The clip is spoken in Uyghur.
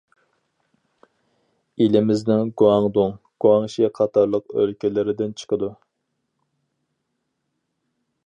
ئېلىمىزنىڭ گۇاڭدۇڭ، گۇاڭشى قاتارلىق ئۆلكىلىرىدىن چىقىدۇ.